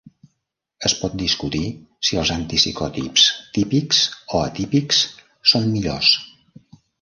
Es pot discutir si els antipsicòtics típics o atípics són millors.